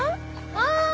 ああ。